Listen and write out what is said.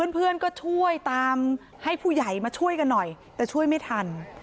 เพื่อนก็ช่วยตามให้ผู้ใหญ่มาช่วยกันหน่อยแต่ช่วยไม่ทัน